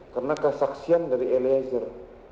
karena kesaksian dari eliezer